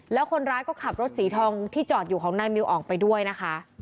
แล้วคนร้ายก็ขับรถสีทองที่จอดอยู่ของนายมิวออกไปด้วยนะคะ